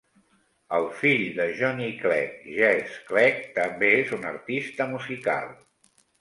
El fill de Johnny Clegg, Jesse Clegg, també és un artista musical.